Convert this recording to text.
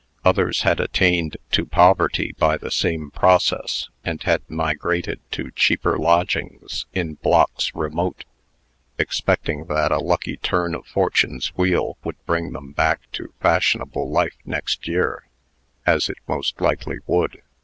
Others had attained to poverty by the same process, and had migrated to cheaper lodgings in blocks remote, expecting that a lucky turn of Fortune's wheel would bring them back to fashionable life next year, as it most likely would.